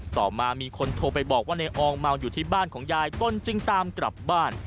ต่อมามีคนโทรไปบอกว่าในอองเมาอยู่ที่บ้านของยายต้นจึงตามกลับบ้าน